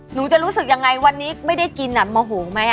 หนูจะรู้สึกยังไงวันนี้ไม่ได้กินโมโหไหม